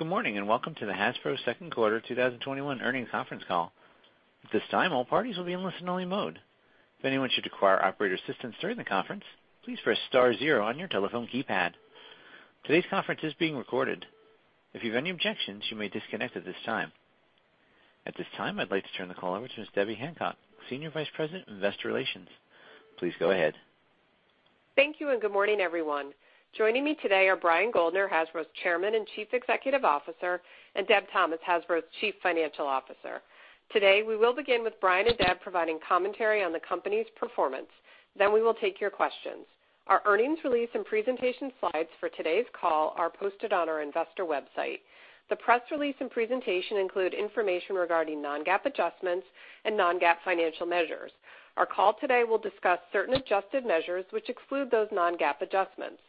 Good morning, and welcome to the Hasbro second quarter 2021 earnings conference call. At this time all participants are on listen only mode. If anyone should require operator's assistance during the conference please press star zero on your telephone keypad. This conference is being recorded. If you have any objection you may disconnect at this time. At this time I'd like to turn the call over to Ms. Debbie Hancock, Senior Vice President of Investor Relations. Please go ahead. Thank you, and good morning, everyone. Joining me today are Brian Goldner, Hasbro's Chairman and Chief Executive Officer, and Deborah Thomas, Hasbro's Chief Financial Officer. Today, we will begin with Brian and Deb providing commentary on the company's performance, then we will take your questions. Our earnings release and presentation slides for today's call are posted on our investor website. The press release and presentation include information regarding non-GAAP adjustments and non-GAAP financial measures. Our call today will discuss certain adjusted measures which exclude those non-GAAP adjustments.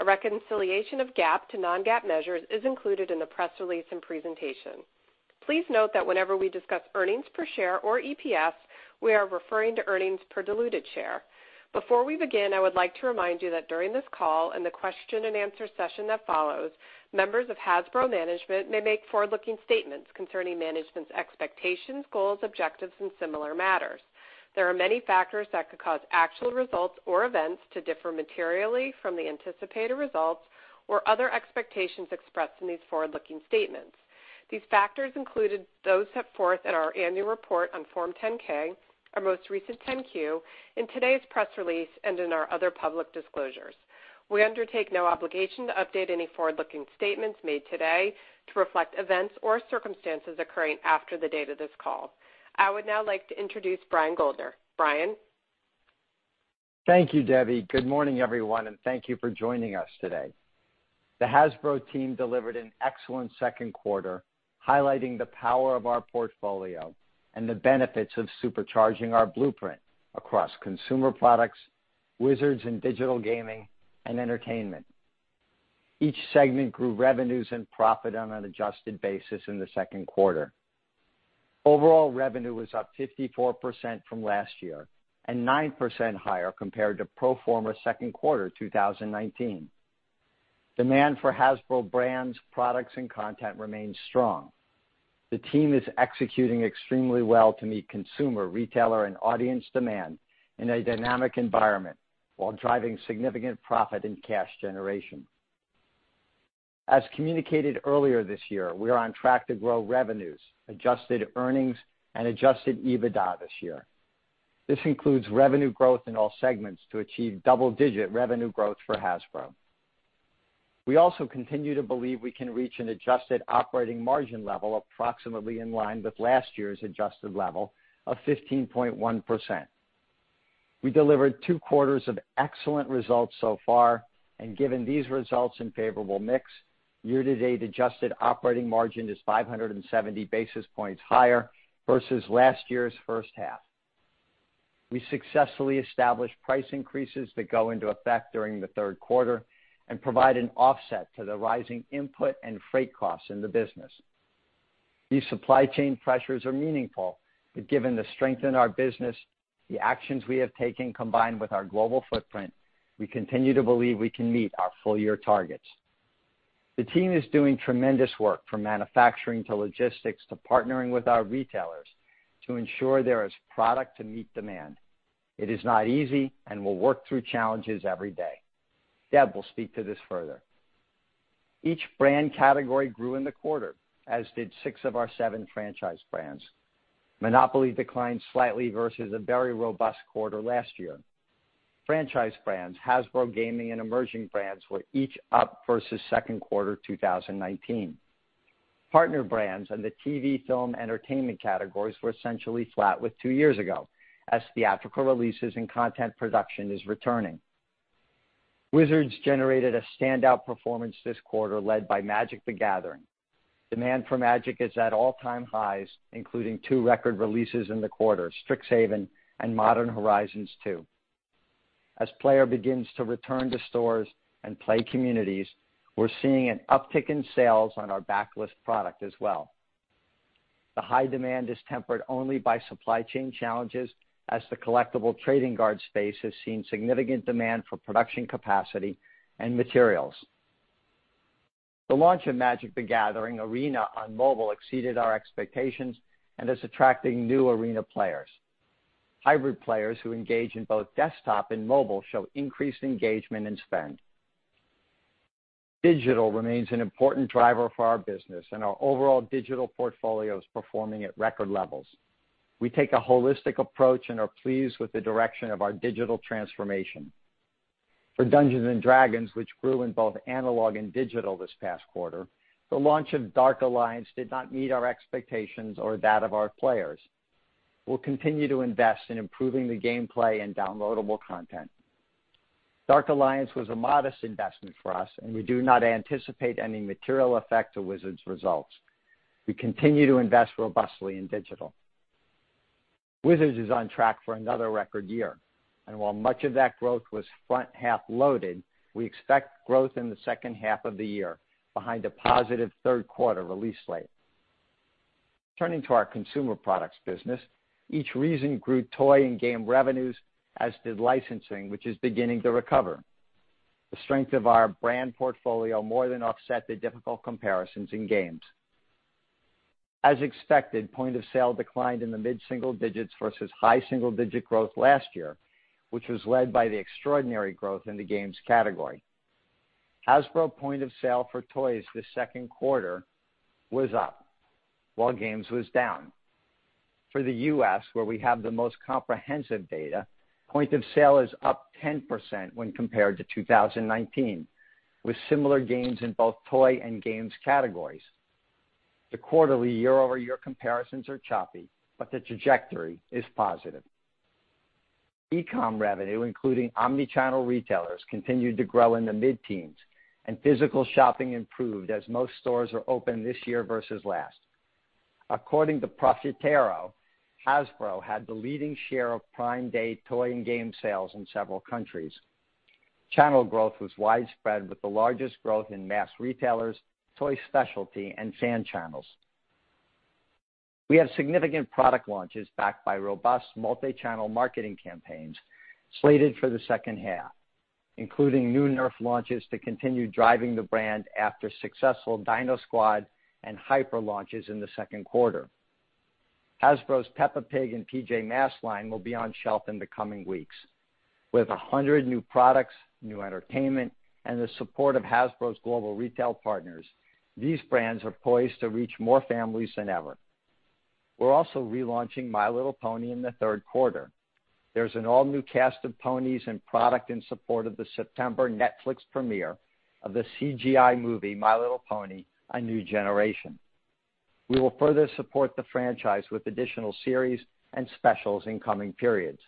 A reconciliation of GAAP to non-GAAP measures is included in the press release and presentation. Please note that whenever we discuss earnings per share, or EPS, we are referring to earnings per diluted share. Before we begin, I would like to remind you that during this call and the question and answer session that follows, members of Hasbro management may make forward-looking statements concerning management's expectations, goals, objectives, and similar matters. There are many factors that could cause actual results or events to differ materially from the anticipated results or other expectations expressed in these forward-looking statements. These factors include those set forth in our annual report on Form 10-K, our most recent 10-Q, in today's press release, and in our other public disclosures. We undertake no obligation to update any forward-looking statements made today to reflect events or circumstances occurring after the date of this call. I would now like to introduce Brian Goldner. Brian? Thank you, Debbie. Good morning, everyone, and thank you for joining us today. The Hasbro team delivered an excellent second quarter, highlighting the power of our portfolio and the benefits of supercharging our blueprint across consumer products, Wizards and digital gaming, and entertainment. Each segment grew revenues and profit on an adjusted basis in the second quarter. Overall revenue was up 54% from last year and 9% higher compared to pro forma second quarter 2019. Demand for Hasbro brands, products, and content remains strong. The team is executing extremely well to meet consumer, retailer, and audience demand in a dynamic environment while driving significant profit and cash generation. As communicated earlier this year, we are on track to grow revenues, adjusted earnings, and adjusted EBITDA this year. This includes revenue growth in all segments to achieve double-digit revenue growth for Hasbro. We also continue to believe we can reach an adjusted operating margin level approximately in line with last year's adjusted level of 15.1%. We delivered two quarters of excellent results so far, and given these results and favorable mix, year-to-date adjusted operating margin is 570 basis points higher versus last year's first half. We successfully established price increases that go into effect during the third quarter and provide an offset to the rising input and freight costs in the business. These supply chain pressures are meaningful, but given the strength in our business, the actions we have taken, combined with our global footprint, we continue to believe we can meet our full-year targets. The team is doing tremendous work, from manufacturing to logistics to partnering with our retailers to ensure there is product to meet demand. It is not easy, and we'll work through challenges every day. Deb will speak to this further. Each brand category grew in the quarter, as did six of our seven franchise brands. Monopoly declined slightly versus a very robust quarter last year. Franchise brands, Hasbro Games, and emerging brands were each up versus second quarter 2019. Partner brands and the TV/film entertainment categories were essentially flat with two years ago, as theatrical releases and content production is returning. Wizards generated a standout performance this quarter led by Magic: The Gathering. Demand for Magic is at all-time highs, including two record releases in the quarter, Strixhaven and Modern Horizons 2. As players begin to return to stores and play communities, we're seeing an uptick in sales on our backlist product as well. The high demand is tempered only by supply chain challenges, as the collectible trading card space has seen significant demand for production capacity and materials. The launch of Magic: The Gathering Arena on mobile exceeded our expectations and is attracting new Arena players. Hybrid players who engage in both desktop and mobile show increased engagement and spend. Digital remains an important driver for our business, and our overall digital portfolio is performing at record levels. We take a holistic approach and are pleased with the direction of our digital transformation. For Dungeons & Dragons, which grew in both analog and digital this past quarter, the launch of Dark Alliance did not meet our expectations or that of our players. We'll continue to invest in improving the gameplay and downloadable content. Dark Alliance was a modest investment for us, and we do not anticipate any material effect to Wizards results. We continue to invest robustly in digital. Wizards is on track for another record year, and while much of that growth was front-half loaded, we expect growth in the second half of the year behind a positive third quarter release slate. Turning to our consumer products business, each region grew toy and game revenues as did licensing, which is beginning to recover. The strength of our brand portfolio more than offset the difficult comparisons in games. As expected, point of sale declined in the mid-single digits versus high single-digit growth last year, which was led by the extraordinary growth in the games category. Hasbro point of sale for toys this second quarter was up while games was down. For the U.S., where we have the most comprehensive data, point of sale is up 10% when compared to 2019, with similar gains in both toy and games categories. The quarterly year-over-year comparisons are choppy, but the trajectory is positive. E-com revenue, including omni-channel retailers, continued to grow in the mid-teens, and physical shopping improved as most stores are open this year versus last. According to Profitero, Hasbro had the leading share of Prime Day toy and game sales in several countries. Channel growth was widespread, with the largest growth in mass retailers, toy specialty, and fan channels. We have significant product launches backed by robust multi-channel marketing campaigns slated for the second half, including new Nerf launches to continue driving the brand after successful DinoSquad and Hyper launches in the second quarter. Hasbro's Peppa Pig and PJ Masks line will be on shelf in the coming weeks. With 100 new products, new entertainment, and the support of Hasbro's global retail partners, these brands are poised to reach more families than ever. We're also relaunching My Little Pony in the third quarter. There's an all-new cast of ponies and product in support of the September Netflix premiere of the CGI movie, "My Little Pony: A New Generation." We will further support the franchise with additional series and specials in coming periods.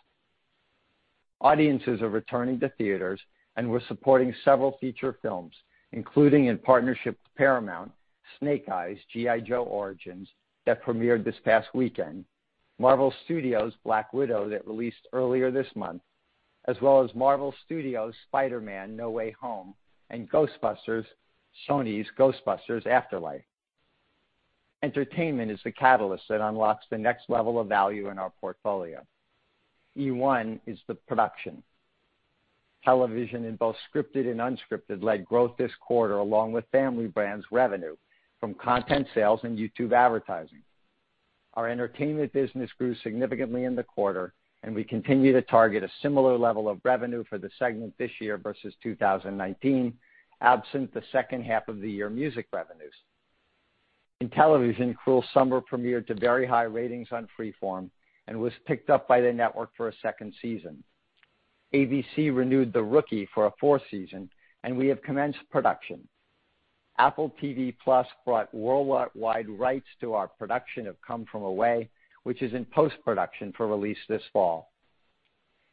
Audiences are returning to theaters, and we're supporting several feature films, including in partnership with Paramount, "Snake Eyes: G.I. Joe Origins" that premiered this past weekend, Marvel Studios' "Black Widow" that released earlier this month, as well as Marvel Studios' "Spider-Man: No Way Home" and Sony's "Ghostbusters: Afterlife." Entertainment is the catalyst that unlocks the next level of value in our portfolio. eOne is the production. Television, in both scripted and unscripted, led growth this quarter, along with Family Brands revenue from content sales and YouTube advertising. Our entertainment business grew significantly in the quarter, and we continue to target a similar level of revenue for the segment this year versus 2019, absent the second half of the year music revenues. In television, "Cruel Summer" premiered to very high ratings on Freeform and was picked up by the network for a second season. ABC renewed "The Rookie" for a fourth season, and we have commenced production. Apple TV+ brought worldwide rights to our production of "Come From Away," which is in post-production for release this fall.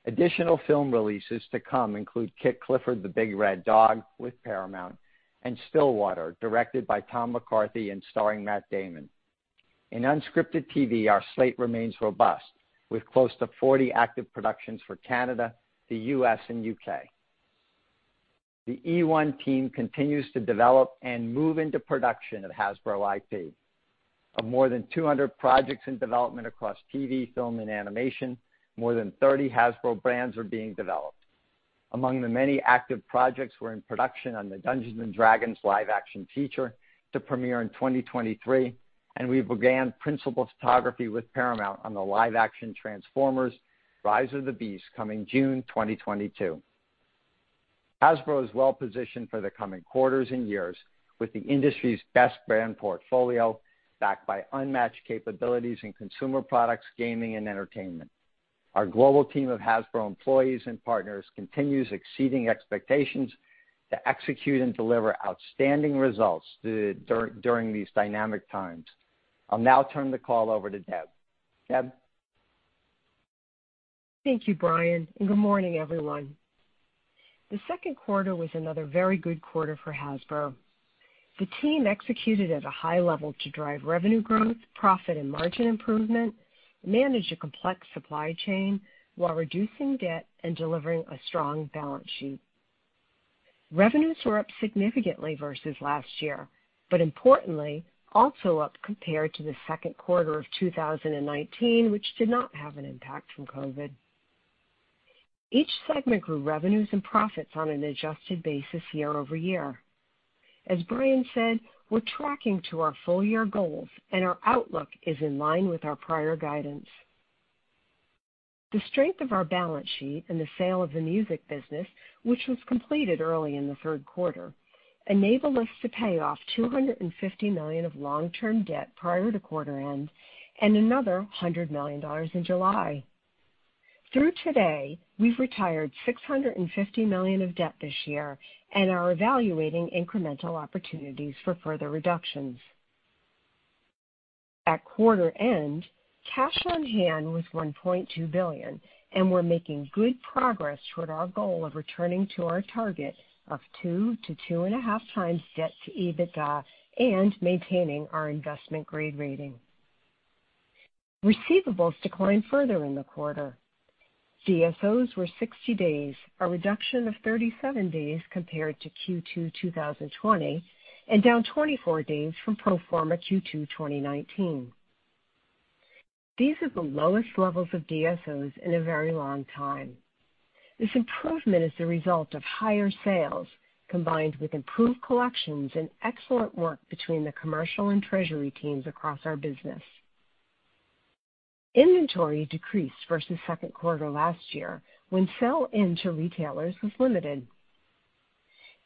Additional film releases to come include "Clifford the Big Red Dog" with Paramount, and "Stillwater," directed by Tom McCarthy and starring Matt Damon. In unscripted TV, our slate remains robust with close to 40 active productions for Canada, the U.S., and U.K. The eOne team continues to develop and move into production of Hasbro IP. Of more than 200 projects in development across TV, film, and animation, more than 30 Hasbro brands are being developed. Among the many active projects, we're in production on the Dungeons & Dragons live-action feature to premiere in 2023. We began principal photography with Paramount on the live-action Transformers: Rise of the Beasts coming June 2022. Hasbro is well-positioned for the coming quarters and years with the industry's best brand portfolio backed by unmatched capabilities in consumer products, gaming, and entertainment. Our global team of Hasbro employees and partners continues exceeding expectations to execute and deliver outstanding results during these dynamic times. I'll now turn the call over to Deb. Deb? Thank you, Brian. Good morning, everyone. The second quarter was another very good quarter for Hasbro. The team executed at a high level to drive revenue growth, profit, and margin improvement, manage a complex supply chain while reducing debt and delivering a strong balance sheet. Revenues were up significantly versus last year, but importantly, also up compared to the second quarter of 2019, which did not have an impact from COVID. Each segment grew revenues and profits on an adjusted basis year-over-year. As Brian said, we're tracking to our full-year goals, and our outlook is in line with our prior guidance. The strength of our balance sheet and the sale of the music business, which was completed early in the third quarter, enabled us to pay off $250 million of long-term debt prior to quarter end and another $100 million in July. Through today, we've retired $650 million of debt this year and are evaluating incremental opportunities for further reductions. At quarter end, cash on hand was $1.2 billion, and we're making good progress toward our goal of returning to our target of two to 2.5 times debt to EBITDA and maintaining our investment grade rating. Receivables declined further in the quarter. DSOs were 60 days, a reduction of 37 days compared to Q2 2020, and down 24 days from pro forma Q2 2019. These are the lowest levels of DSOs in a very long time. This improvement is the result of higher sales, combined with improved collections and excellent work between the commercial and treasury teams across our business. Inventory decreased versus second quarter last year, when sell-in to retailers was limited.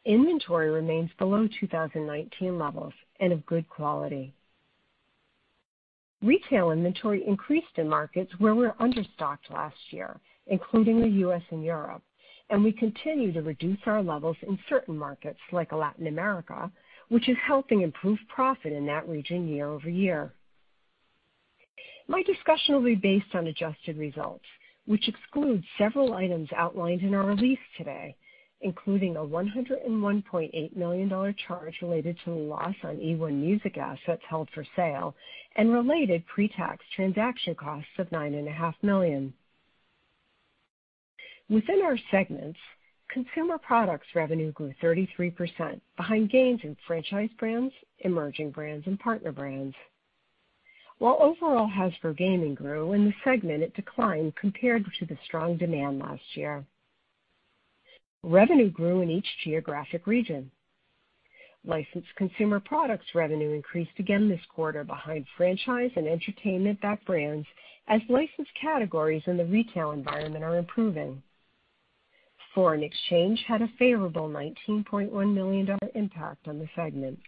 Inventory remains below 2019 levels and of good quality. Retail inventory increased in markets where we were under stocked last year, including the U.S. and Europe. We continue to reduce our levels in certain markets like Latin America, which is helping improve profit in that region year-over-year. My discussion will be based on adjusted results, which excludes several items outlined in our release today, including a $101.8 million charge related to the loss on eOne Music assets held for sale and related pre-tax transaction costs of $9.5 million. Within our segments, consumer products revenue grew 33%, behind gains in franchise brands, emerging brands, and partner brands. While overall Hasbro Games grew, in the segment it declined compared to the strong demand last year. Revenue grew in each geographic region. Licensed consumer products revenue increased again this quarter behind franchise and entertainment-backed brands as licensed categories in the retail environment are improving. Foreign exchange had a favorable $19.1 million impact on the segment.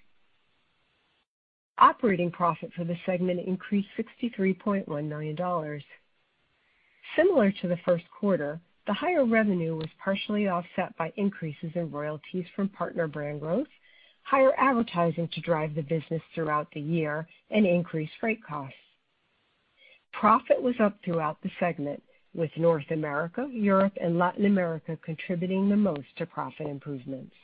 Operating profit for the segment increased $63.1 million. Similar to the first quarter, the higher revenue was partially offset by increases in royalties from partner brand growth, higher advertising to drive the business throughout the year, and increased freight costs. Profit was up throughout the segment, with North America, Europe, and Latin America contributing the most to profit improvements.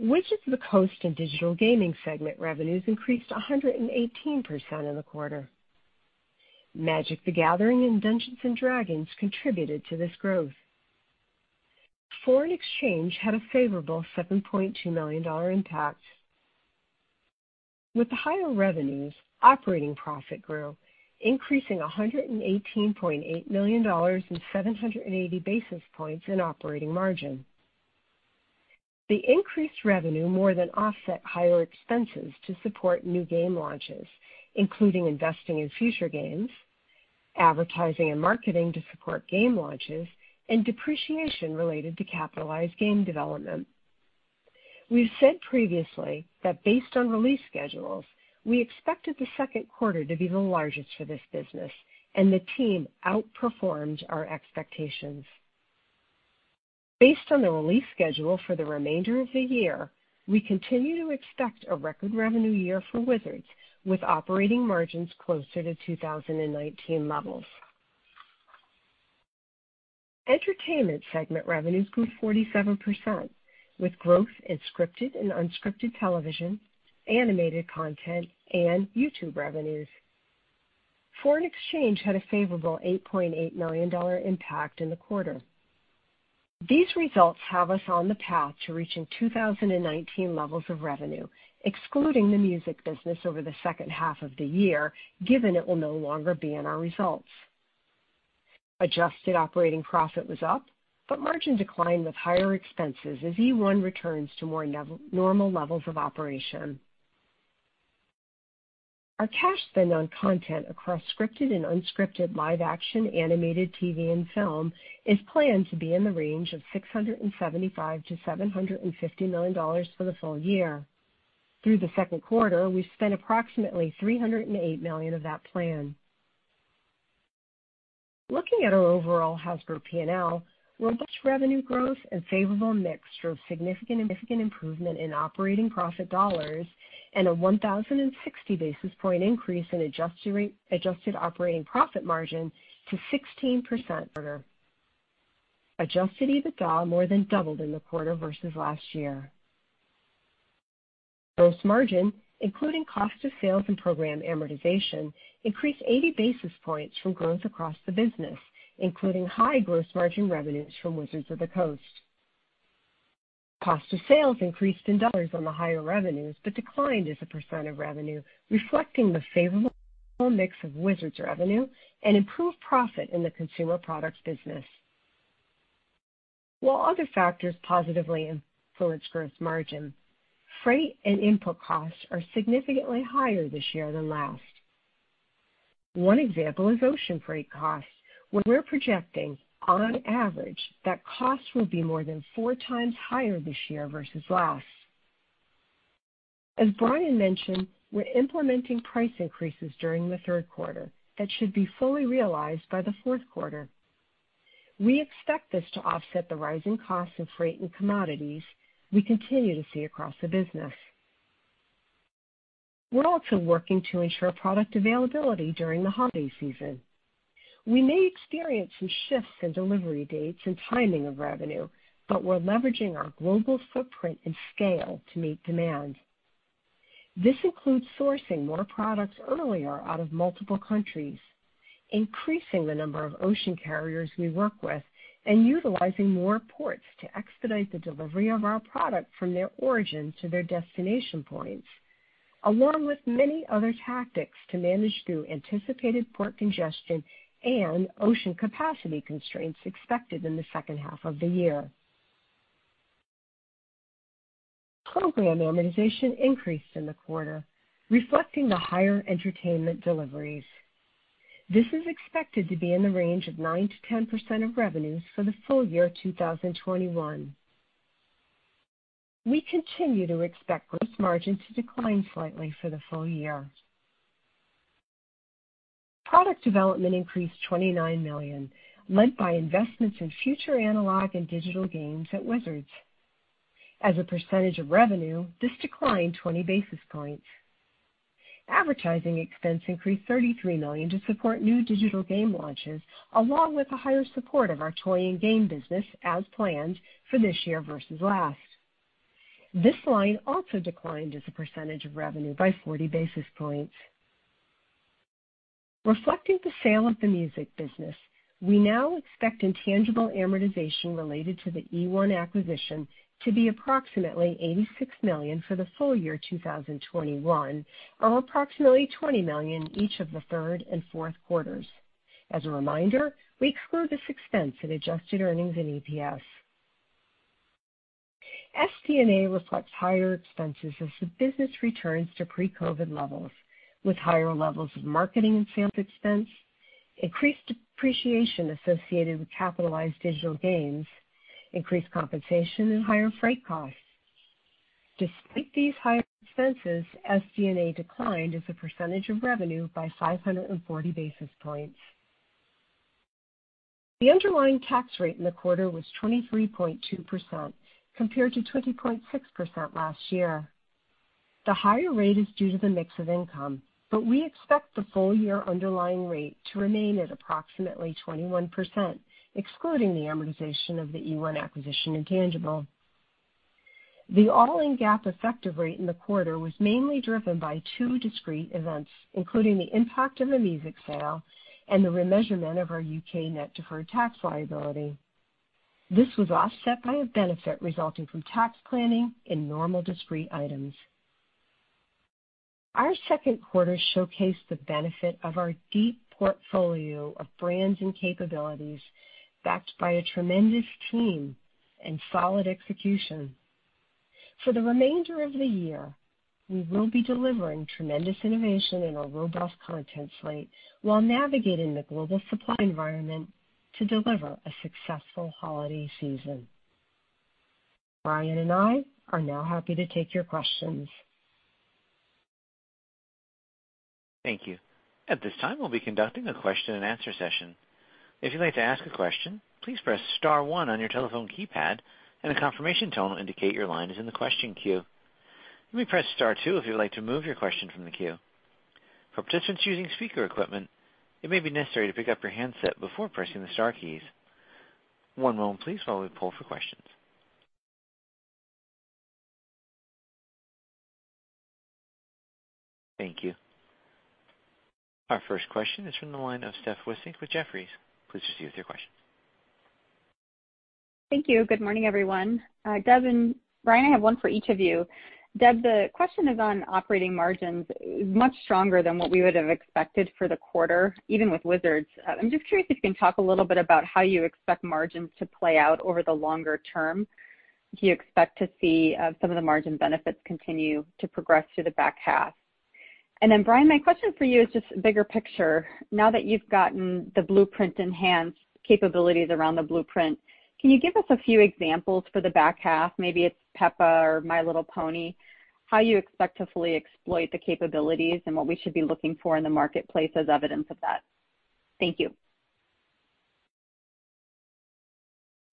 Wizards of the Coast and digital gaming segment revenues increased 118% in the quarter. Magic: The Gathering and Dungeons & Dragons contributed to this growth. Foreign exchange had a favorable $7.2 million impact. With the higher revenues, operating profit grew, increasing $118.8 million and 780 basis points in operating margin. The increased revenue more than offset higher expenses to support new game launches, including investing in future games, advertising and marketing to support game launches, and depreciation related to capitalized game development. We've said previously that based on release schedules, we expected the second quarter to be the largest for this business, and the team outperformed our expectations. Based on the release schedule for the remainder of the year, we continue to expect a record revenue year for Wizards, with operating margins closer to 2019 levels. Entertainment segment revenues grew 47%, with growth in scripted and unscripted television, animated content, and YouTube revenues. Foreign exchange had a favorable $8.8 million impact in the quarter. These results have us on the path to reaching 2019 levels of revenue, excluding the music business over the second half of the year, given it will no longer be in our results. Adjusted operating profit was up, margin declined with higher expenses as eOne returns to more normal levels of operation. Our cash spend on content across scripted and unscripted live action animated TV and film is planned to be in the range of $675 million to $750 million for the full year. Through the second quarter, we've spent approximately $308 million of that plan. Looking at our overall Hasbro P&L, robust revenue growth and favorable mix drove significant improvement in operating profit dollars and a 1,060 basis point increase in adjusted operating profit margin to 16% for the quarter. Adjusted EBITDA more than doubled in the quarter versus last year. Gross margin, including cost of sales and program amortization, increased 80 basis points from growth across the business, including high gross margin revenues from Wizards of the Coast. Cost of sales increased in dollars on the higher revenues, but declined as a percent of revenue, reflecting the favorable mix of Wizards revenue and improved profit in the consumer products business. While other factors positively influenced gross margin, freight and input costs are significantly higher this year than last. One example is ocean freight costs, where we're projecting, on average, that costs will be more than four times higher this year versus last. As Brian mentioned, we're implementing price increases during the third quarter that should be fully realized by the fourth quarter. We expect this to offset the rising costs of freight and commodities we continue to see across the business. We're also working to ensure product availability during the holiday season. We may experience some shifts in delivery dates and timing of revenue, but we're leveraging our global footprint and scale to meet demand. This includes sourcing more products earlier out of multiple countries, increasing the number of ocean carriers we work with, and utilizing more ports to expedite the delivery of our product from their origin to their destination points, along with many other tactics to manage through anticipated port congestion and ocean capacity constraints expected in the second half of the year. Program amortization increased in the quarter, reflecting the higher entertainment deliveries. This is expected to be in the range of 9%-10% of revenues for the full year 2021. We continue to expect gross margin to decline slightly for the full year. Product development increased $29 million, led by investments in future analog and digital games at Wizards. As a percentage of revenue, this declined 20 basis points. Advertising expense increased $33 million to support new digital game launches, along with a higher support of our toy and game business as planned for this year versus last. This line also declined as a percentage of revenue by 40 basis points. Reflecting the sale of the music business, we now expect intangible amortization related to the eOne acquisition to be approximately $86 million for the full year 2021, or approximately $20 million each of the third and fourth quarters. As a reminder, we exclude this expense in adjusted earnings and EPS. SG&A reflects higher expenses as the business returns to pre-COVID levels, with higher levels of marketing and sales expense, increased depreciation associated with capitalized digital gains, increased compensation, and higher freight costs. Despite these higher expenses, SG&A declined as a percentage of revenue by 540 basis points. The underlying tax rate in the quarter was 23.2% compared to 20.6% last year. The higher rate is due to the mix of income, but we expect the full-year underlying rate to remain at approximately 21%, excluding the amortization of the eOne acquisition intangible. The all-in GAAP effective rate in the quarter was mainly driven by two discrete events, including the impact of the music sale and the remeasurement of our U.K. net deferred tax liability. This was offset by a benefit resulting from tax planning and normal discrete items. Our second quarter showcased the benefit of our deep portfolio of brands and capabilities, backed by a tremendous team and solid execution. For the remainder of the year, we will be delivering tremendous innovation in our robust content slate while navigating the global supply environment to deliver a successful holiday season. Brian and I are now happy to take your questions. Thank you. At this time, we'll be conducting a question-and-answer session. If you would like to ask a question, please press star one on your telephone keypad. A confirmation tone will indicate your question is on the question queue. You may press star two if you would like to remove your question from the queue. For participants using speakerphones, it may be necessary to pick up your handset before pressing the star keys. One moment please while we pause for questions. Thank you. Our first question is from the line of Steph Wissink with Jefferies. Please proceed with your question. Thank you. Good morning, everyone. Deb and Brian, I have one for each of you. Deb, the question is on operating margins. Much stronger than what we would have expected for the quarter, even with Wizards. I'm just curious if you can talk a little bit about how you expect margins to play out over the longer term. Do you expect to see some of the margin benefits continue to progress through the back half? Brian, my question for you is just bigger picture. Now that you've gotten the blueprint enhanced capabilities around the blueprint, can you give us a few examples for the back half, maybe it's Peppa or My Little Pony, how you expect to fully exploit the capabilities and what we should be looking for in the marketplace as evidence of that? Thank you.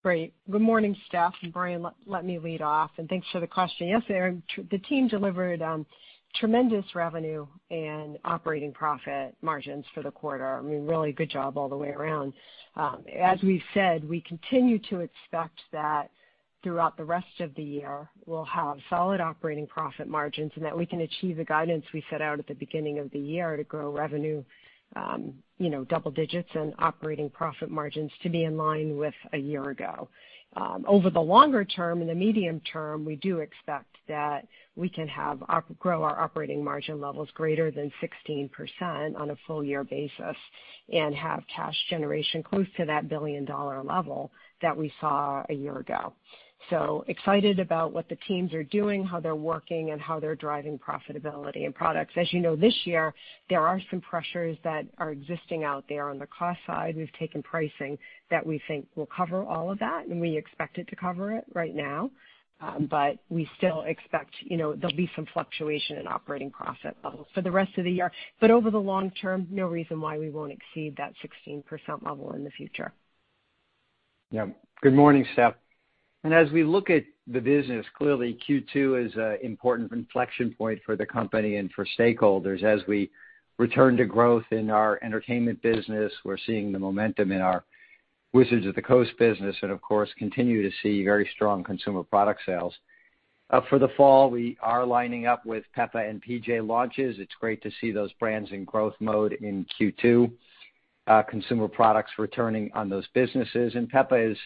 Great. Good morning, Steph. Brian, let me lead off. Thanks for the question. Yes, the team delivered tremendous revenue and operating profit margins for the quarter. Really good job all the way around. As we've said, we continue to expect that throughout the rest of the year, we'll have solid operating profit margins and that we can achieve the guidance we set out at the beginning of the year to grow revenue double-digits and operating profit margins to be in line with a year ago. Over the longer term and the medium term, we do expect that we can grow our operating margin levels greater than 16% on a full-year basis and have cash generation close to that billion-dollar level that we saw a year ago. Excited about what the teams are doing, how they're working, and how they're driving profitability and products. As you know, this year, there are some pressures that are existing out there on the cost side. We've taken pricing that we think will cover all of that, and we expect it to cover it right now. We still expect there'll be some fluctuation in operating profit levels for the rest of the year. Over the long term, no reason why we won't exceed that 16% level in the future. Yeah. Good morning, Steph. As we look at the business, clearly Q2 is an important inflection point for the company and for stakeholders as we return to growth in our entertainment business. We're seeing the momentum in our Wizards of the Coast business and of course, continue to see very strong consumer product sales. For the fall, we are lining up with Peppa and PJ launches. It's great to see those brands in growth mode in Q2. Consumer products returning on those businesses, and Peppa is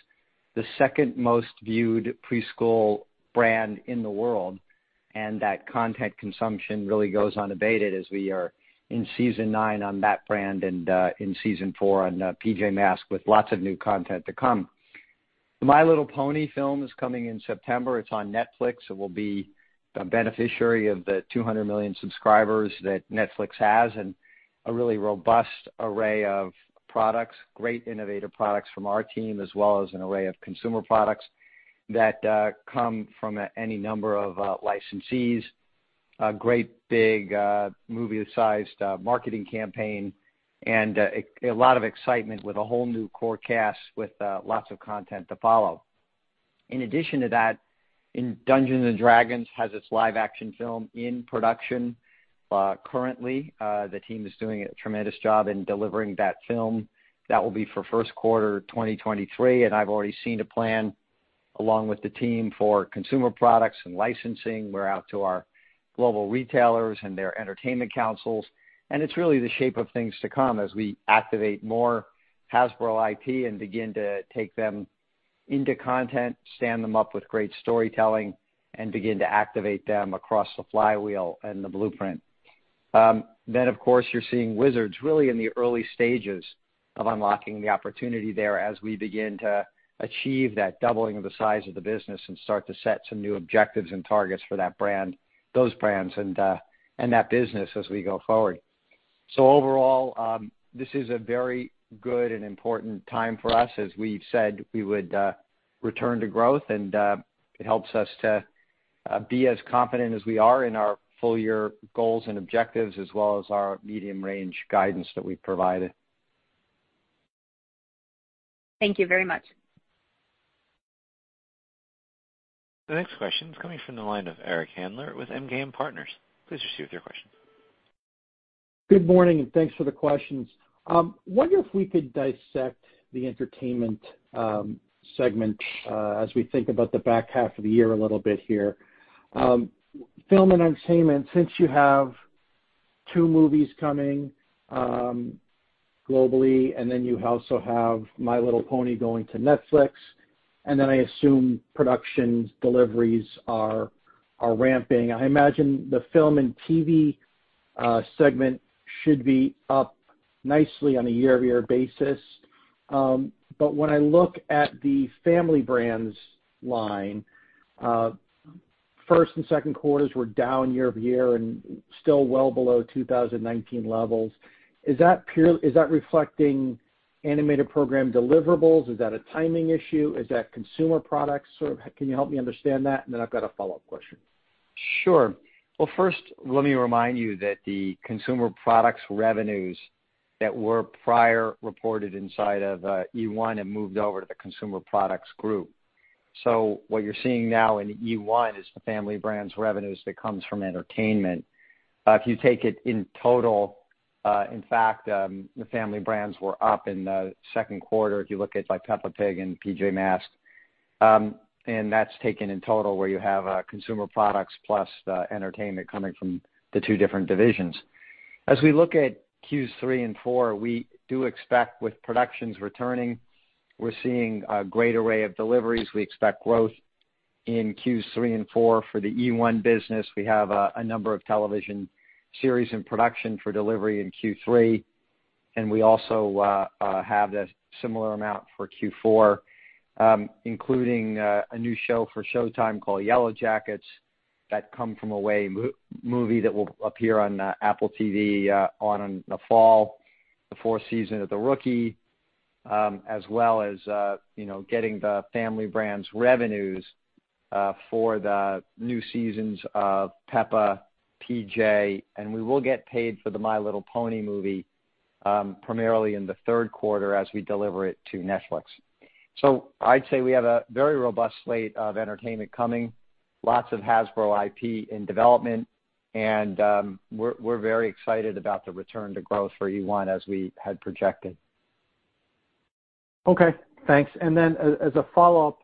the second most viewed preschool brand in the world, and that content consumption really goes unabated as we are in season nine on that brand and in season four on PJ Masks with lots of new content to come. The My Little Pony film is coming in September. It's on Netflix. It will be a beneficiary of the 200 million subscribers that Netflix has and a really robust array of products, great innovative products from our team, as well as an array of consumer products that come from any number of licensees. A great big, movie-sized marketing campaign and a lot of excitement with a whole new core cast with lots of content to follow. In addition to that, Dungeons & Dragons has its live action film in production. Currently, the team is doing a tremendous job in delivering that film. That will be for first quarter 2023, and I've already seen a plan along with the team for consumer products and licensing. We're out to our global retailers and their entertainment councils. It's really the shape of things to come as we activate more Hasbro IP and begin to take them into content, stand them up with great storytelling, and begin to activate them across the flywheel and the blueprint. Of course, you're seeing Wizards really in the early stages of unlocking the opportunity there as we begin to achieve that doubling of the size of the business and start to set some new objectives and targets for those brands and that business as we go forward. Overall, this is a very good and important time for us as we've said we would return to growth and it helps us to be as confident as we are in our full year goals and objectives, as well as our medium range guidance that we've provided. Thank you very much. The next question is coming from the line of Eric Handler with MKM Partners. Please proceed with your question. Good morning. Thanks for the questions. Wonder if we could dissect the Entertainment segment as we think about the back half of the year a little bit here. Film and Entertainment, since you have two movies coming globally, and then you also have My Little Pony going to Netflix, and then I assume production deliveries are ramping. I imagine the Film and TV segment should be up nicely on a year-over-year basis. When I look at the Family Brands line, first and second quarters were down year-over-year and still well below 2019 levels. Is that reflecting animated program deliverables? Is that a timing issue? Is that consumer products? Can you help me understand that? I've got a follow-up question. Sure. Well, first, let me remind you that the consumer products revenues that were prior reported inside of eOne have moved over to the consumer products group. What you're seeing now in eOne is the Family Brands revenues that comes from entertainment. If you take it in total, in fact, the Family Brands were up in the second quarter if you look at Peppa Pig and PJ Masks. That's taken in total where you have consumer products plus the entertainment coming from the two different divisions. As we look at Q3 and four, we do expect with productions returning, we're seeing a great array of deliveries. We expect growth in Q3 and four for the eOne business. We have a number of television series in production for delivery in Q3, and we also have a similar amount for Q4, including a new show for Showtime called "Yellowjackets," that Come From Away movie that will appear on Apple TV on the fall, the fourth season of "The Rookie," as well as getting the Family Brands revenues for the new seasons of Peppa, PJ, and we will get paid for the My Little Pony movie primarily in the third quarter as we deliver it to Netflix. I'd say we have a very robust slate of entertainment coming, lots of Hasbro IP in development, and we're very excited about the return to growth for eOne as we had projected. Okay, thanks. As a follow-up,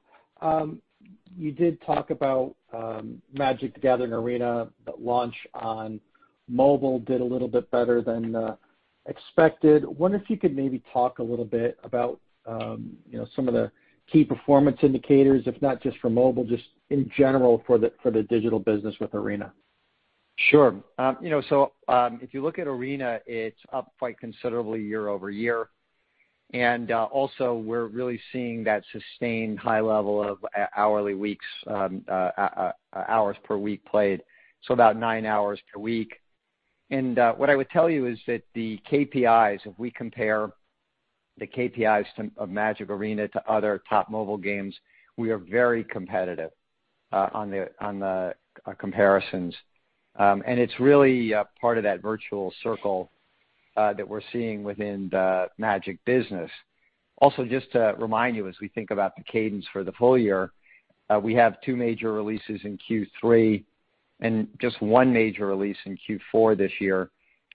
you did talk about Magic: The Gathering Arena, that launch on mobile did a little bit better than expected. Wonder if you could maybe talk a little bit about some of the key performance indicators, if not just for mobile, just in general for the digital business with Arena. Sure. If you look at Arena, it's up quite considerably year-over-year. Also we're really seeing that sustained high level of hours per week played, so about nine hours per week. What I would tell you is that the KPIs, if we compare the KPIs of Magic Arena to other top mobile games, we are very competitive on the comparisons. It's really part of that virtual circle that we're seeing within the Magic business. Also, just to remind you, as we think about the cadence for the full year, we have two major releases in Q3 and just one major release in Q4 this year.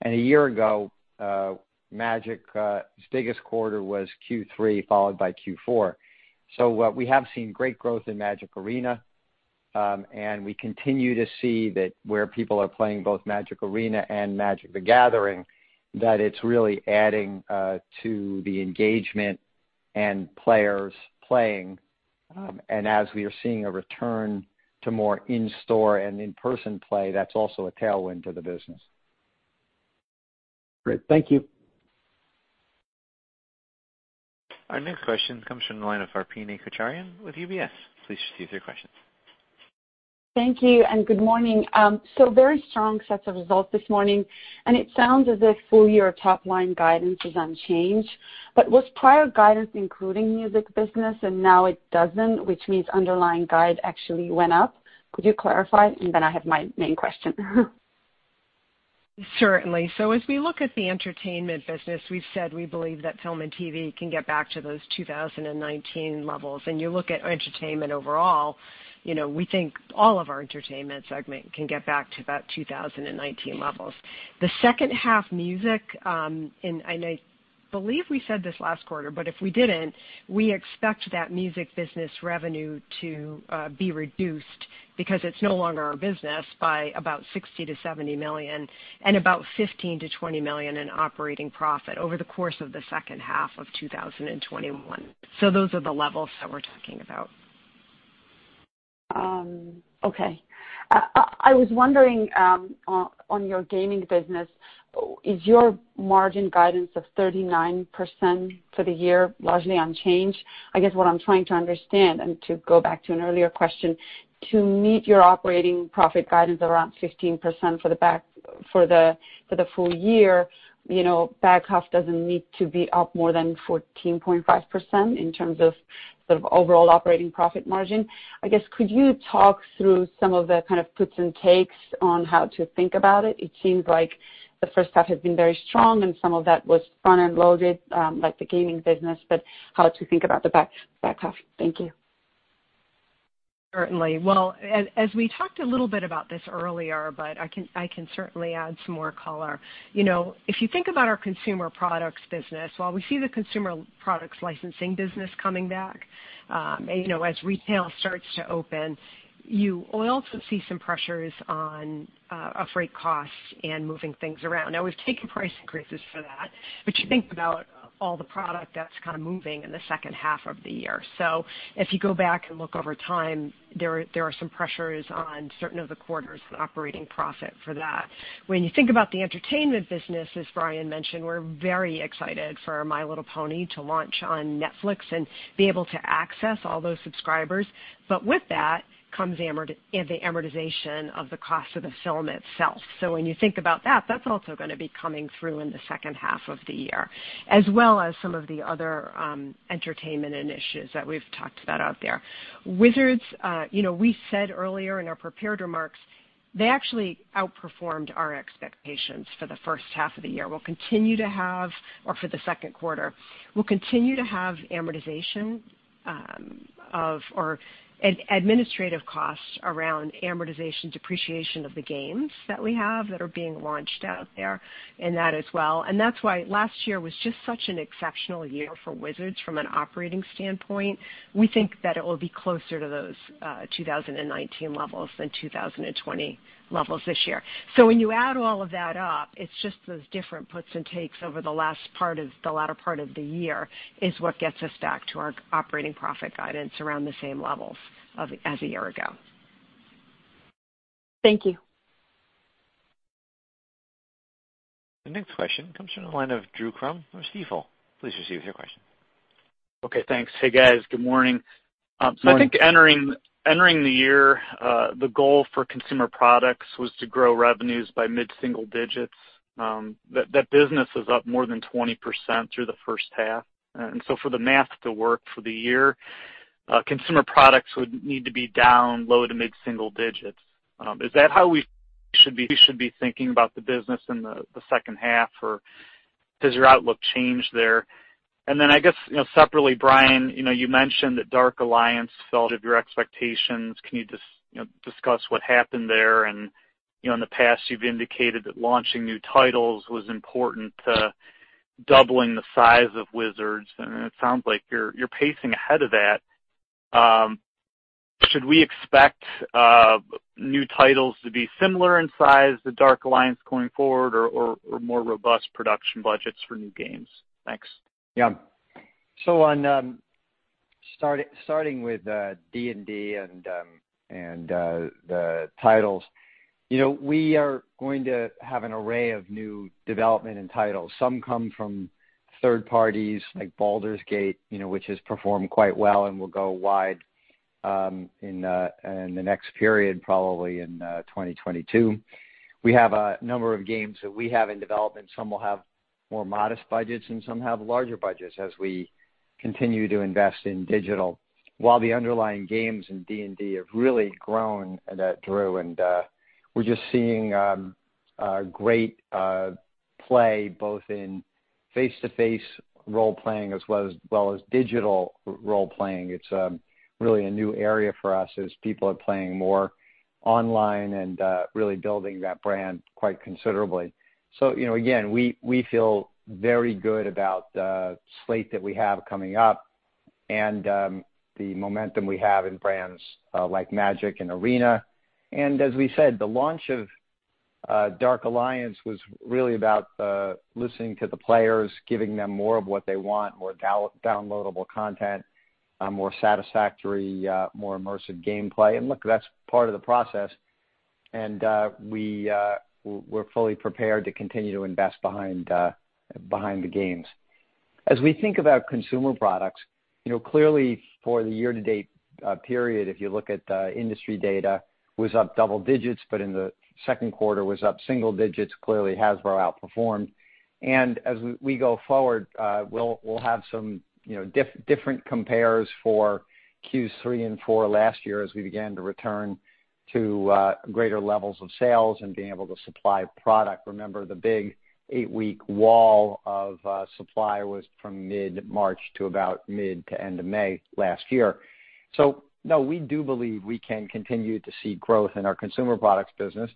A year ago, Magic's biggest quarter was Q3, followed by Q4. We have seen great growth in Magic Arena, and we continue to see that where people are playing both Magic Arena and Magic: The Gathering, that it's really adding to the engagement and players playing. As we are seeing a return to more in-store and in-person play, that's also a tailwind for the business. Great. Thank you. Our next question comes from the line of Arpine Kocharian with UBS. Please proceed with your questions. Thank you, and good morning. Very strong sets of results this morning, and it sounds as if full-year top-line guidance is unchanged. Was prior guidance including music business and now it doesn't, which means underlying guide actually went up? Could you clarify? I have my main question. Certainly. As we look at the entertainment business, we've said we believe that film and TV can get back to those 2019 levels. You look at entertainment overall, we think all of our entertainment segment can get back to about 2019 levels. The second half music, and I believe we said this last quarter, but if we didn't, we expect that music business revenue to be reduced because it's no longer our business, by about $60 million-$70 million and about $15 million-$20 million in operating profit over the course of the second half of 2021. Those are the levels that we're talking about. Okay. I was wondering, on your gaming business, is your margin guidance of 39% for the year largely unchanged? I guess what I'm trying to understand, and to go back to an earlier question, to meet your operating profit guidance around 15% for the full year, back half doesn't need to be up more than 14.5% in terms of sort of overall operating profit margin. I guess could you talk through some of the kind of puts and takes on how to think about it? It seems like the first half has been very strong, and some of that was front-end loaded like the gaming business, but how to think about the back half. Thank you. Certainly. As we talked a little bit about this earlier, I can certainly add some more color. If you think about our consumer products business, while we see the consumer products licensing business coming back as retail starts to open, you will also see some pressures on freight costs and moving things around. We've taken price increases for that, you think about all the product that's kind of moving in the second half of the year. If you go back and look over time, there are some pressures on certain of the quarters and operating profit for that. When you think about the entertainment business, as Brian mentioned, we're very excited for My Little Pony to launch on Netflix and be able to access all those subscribers. With that comes the amortization of the cost of the film itself. When you think about that's also going to be coming through in the second half of the year, as well as some of the other entertainment initiatives that we've talked about out there. Wizards, we said earlier in our prepared remarks, they actually outperformed our expectations for the second quarter. We'll continue to have administrative costs around amortization, depreciation of the games that we have that are being launched out there and that as well. That's why last year was just such an exceptional year for Wizards from an operating standpoint. We think that it will be closer to those 2019 levels than 2020 levels this year. When you add all of that up, it's just those different puts and takes over the latter part of the year is what gets us back to our operating profit guidance around the same levels as a year ago. Thank you. The next question comes from the line of Drew Crum from Stifel. Please proceed with your question. Okay, thanks. Hey, guys. Good morning. I think entering the year, the goal for consumer products was to grow revenues by mid-single digits. That business is up more than 20% through the first half, for the math to work for the year, consumer products would need to be down low to mid-single digits. Is that how we should be thinking about the business in the second half, or has your outlook changed there? I guess, separately, Brian, you mentioned that Dark Alliance fell out of your expectations. Can you just discuss what happened there? In the past, you've indicated that launching new titles was important to doubling the size of Wizards, and it sounds like you're pacing ahead of that. Should we expect new titles to be similar in size to Dark Alliance going forward or more robust production budgets for new games? Thanks. Yeah. Starting with D&D and the titles, we are going to have an array of new development and titles. Some come from third parties like Baldur's Gate, which has performed quite well and will go wide in the next period, probably in 2022. We have a number of games that we have in development. Some will have more modest budgets and some have larger budgets as we continue to invest in digital while the underlying games in D&D have really grown that through and we're just seeing great play both in face-to-face role-playing as well as digital role-playing. It's really a new area for us as people are playing more online and really building that brand quite considerably. Again, we feel very good about the slate that we have coming up and the momentum we have in brands like Magic and Arena. As we said, the launch of Dark Alliance was really about listening to the players, giving them more of what they want, more downloadable content, more satisfactory, more immersive gameplay. Look, that's part of the process. We're fully prepared to continue to invest behind the games. As we think about consumer products, clearly for the year-to-date period, if you look at industry data, was up double digits, but in the second quarter was up single digits. Clearly, Hasbro outperformed. As we go forward we'll have some different compares for Q3 and four last year as we began to return to greater levels of sales and being able to supply product. Remember, the big eight-week wall of supply was from mid-March to about mid to end of May last year. No, we do believe we can continue to see growth in our consumer products business.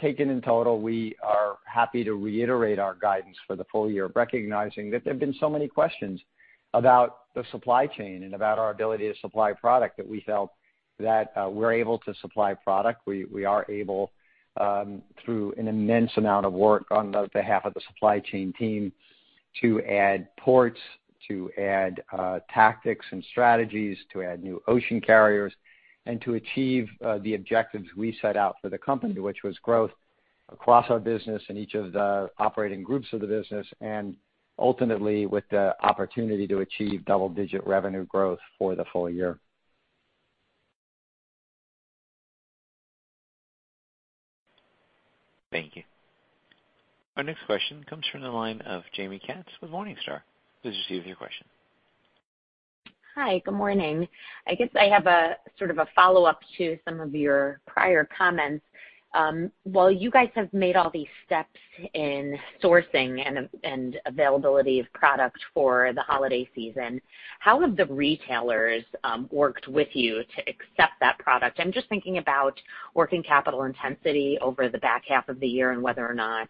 Taken in total, we are happy to reiterate our guidance for the full year, recognizing that there have been so many questions about the supply chain and about our ability to supply product that we felt that we're able to supply product. We are able through an immense amount of work on behalf of the supply chain team to add ports, to add tactics and strategies, to add new ocean carriers, and to achieve the objectives we set out for the company, which was growth across our business in each of the operating groups of the business, and ultimately with the opportunity to achieve double-digit revenue growth for the full year. Thank you. Our next question comes from the line of Jaime Katz with Morningstar. Please proceed with your question. Hi, good morning. I guess I have a sort of a follow-up to some of your prior comments. While you guys have made all these steps in sourcing and availability of product for the holiday season, how have the retailers worked with you to accept that product? I'm just thinking about working capital intensity over the back half of the year and whether or not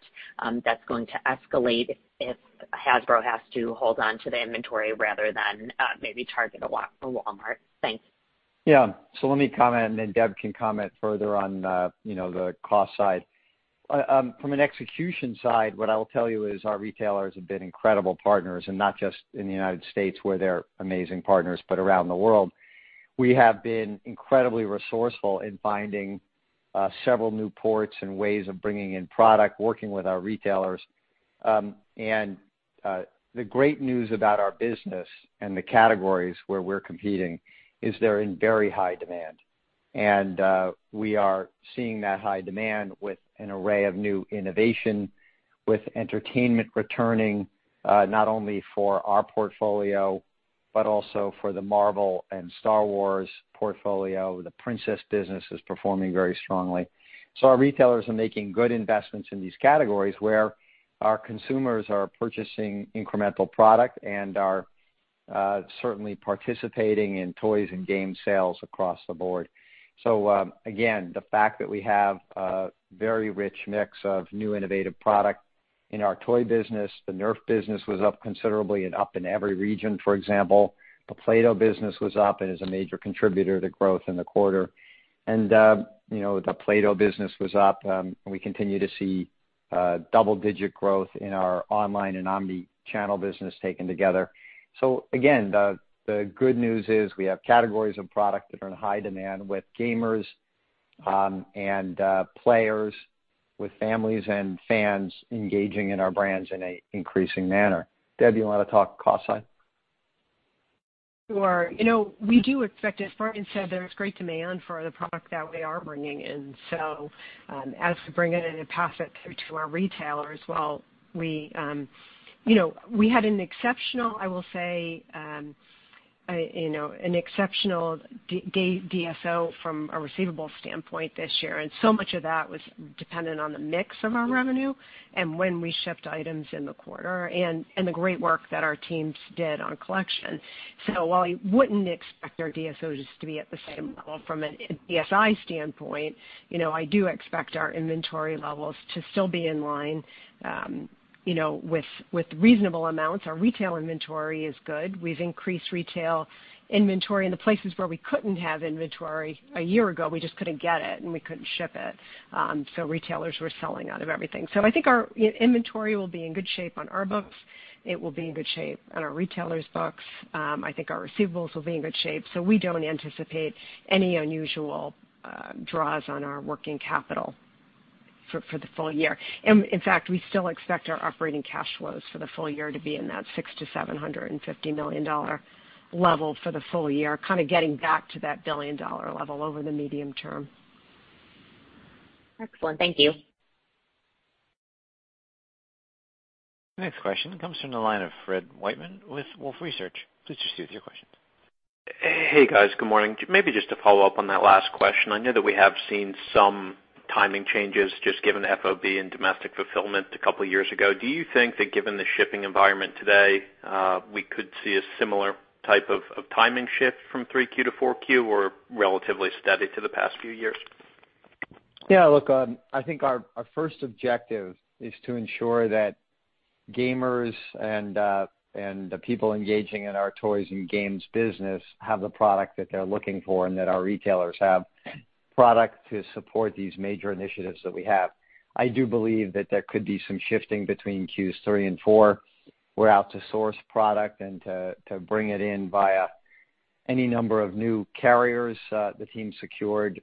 that's going to escalate if Hasbro has to hold on to the inventory rather than maybe Target or Walmart. Thanks. Yeah. Let me comment and then Deb can comment further on the cost side. From an execution side, what I will tell you is our retailers have been incredible partners, and not just in the U.S. where they're amazing partners, but around the world. We have been incredibly resourceful in finding several new ports and ways of bringing in product, working with our retailers. The great news about our business and the categories where we're competing is they're in very high demand. We are seeing that high demand with an array of new innovation with entertainment returning not only for our portfolio but also for the Marvel and Star Wars portfolio. The Princess business is performing very strongly. Our retailers are making good investments in these categories where our consumers are purchasing incremental product and are certainly participating in toys and game sales across the board. Again, the fact that we have a very rich mix of new innovative product in our toy business, the Nerf business was up considerably and up in every region, for example. The Play-Doh business was up and is a major contributor to growth in the quarter. The Play-Doh business was up and we continue to see double-digit growth in our online and omni-channel business taken together. Again, the good news is we have categories of product that are in high demand with gamers and players, with families and fans engaging in our brands in an increasing manner. Deb, you want to talk cost side? Sure. We do expect, as Brian said, there's great demand for the product that we are bringing in. As we bring it in and pass it through to our retailers, we had an exceptional, I will say, an exceptional DSO from a receivable standpoint this year, and so much of that was dependent on the mix of our revenue and when we shipped items in the quarter and the great work that our teams did on collection. While I wouldn't expect our DSOs to be at the same level from an DSI standpoint, I do expect our inventory levels to still be in line with reasonable amounts. Our retail inventory is good. We've increased retail inventory in the places where we couldn't have inventory a year ago. We just couldn't get it, and we couldn't ship it. Retailers were selling out of everything. I think our inventory will be in good shape on our books. It will be in good shape on our retailers' books. I think our receivables will be in good shape. We don't anticipate any unusual draws on our working capital for the full year. In fact, we still expect our operating cash flows for the full year to be in that $600 million-$750 million level for the full year, kind of getting back to that $1 billion level over the medium term. Excellent. Thank you. Next question comes from the line of Fred Wightman with Wolfe Research. Please proceed with your questions. Hey, guys. Good morning. Just to follow up on that last question, I know that we have seen some timing changes just given FOB and domestic fulfillment a couple years ago. Do you think that given the shipping environment today, we could see a similar type of timing shift from 3Q to 4Q or relatively steady to the past few years? Yeah. Look, I think our first objective is to ensure that gamers and the people engaging in our toys and games business have the product that they're looking for and that our retailers have product to support these major initiatives that we have. I do believe that there could be some shifting between Qs three and four. We're out to source product and to bring it in via any number of new carriers. The team secured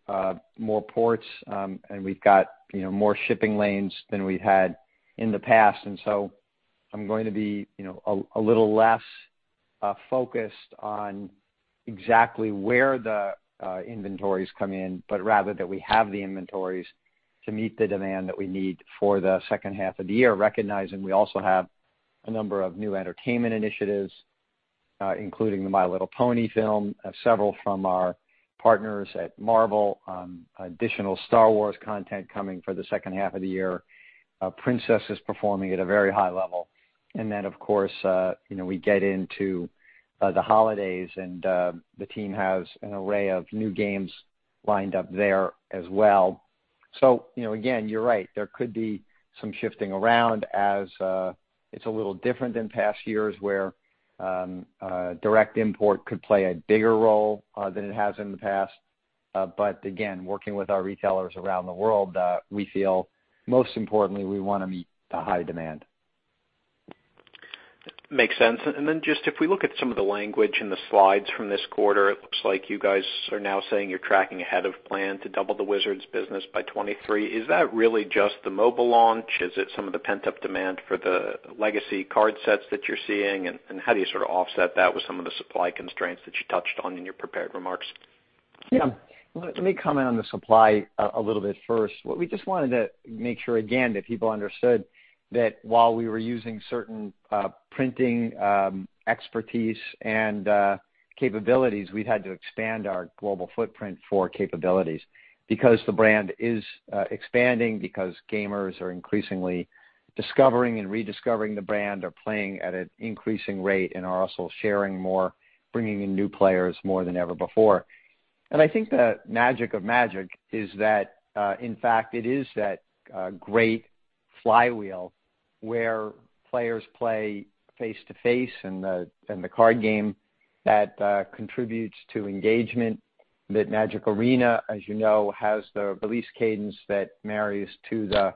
more ports, and we've got more shipping lanes than we've had in the past. I'm going to be a little less focused on exactly where the inventories come in, but rather that we have the inventories to meet the demand that we need for the second half of the year, recognizing we also have a number of new entertainment initiatives, including the My Little Pony film, several from our partners at Marvel, additional Star Wars content coming for the second half of the year. Princess is performing at a very high level. Of course, we get into the holidays, and the team has an array of new games lined up there as well. Again, you're right. There could be some shifting around, as it's a little different than past years, where direct import could play a bigger role than it has in the past. Again, working with our retailers around the world, we feel most importantly, we want to meet the high demand. Makes sense. Then just if we look at some of the language in the slides from this quarter, it looks like you guys are now saying you're tracking ahead of plan to double the Wizards business by 2023. Is that really just the mobile launch? Is it some of the pent-up demand for the legacy card sets that you're seeing? How do you sort of offset that with some of the supply constraints that you touched on in your prepared remarks? Yeah. Let me comment on the supply a little bit first. What we just wanted to make sure, again, that people understood that while we were using certain printing expertise and capabilities, we’ve had to expand our global footprint for capabilities because the brand is expanding, because gamers are increasingly discovering and rediscovering the brand, are playing at an increasing rate, and are also sharing more, bringing in new players more than ever before. I think the magic of Magic is that, in fact, it is that great flywheel where players play face-to-face in the card game that contributes to engagement, that Magic Arena, as you know, has the release cadence that marries to the